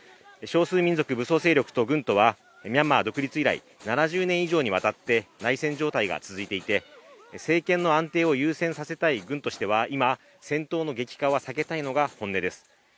少数民族武装勢力と軍とはミャンマー独立以来、７０年以上にわたって内戦状態が続いていて政権の安定を優先させたい軍としては今、戦闘の激化は避けたいのが本音です。